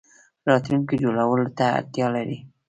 راتلونکی جوړولو ته اړتیا لري